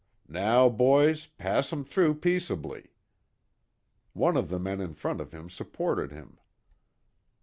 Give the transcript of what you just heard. Now, boys, pass 'em through peaceably." One of the men in front of him supported him.